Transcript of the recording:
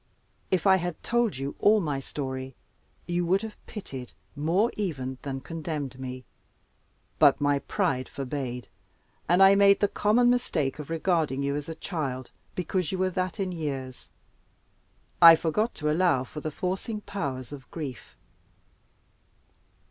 If I had told you all my story, you would have pitied more even than condemned me. But my pride forbade, and I made the common mistake of regarding you as a child, because you were that in years. I forgot to allow for the forcing powers of grief.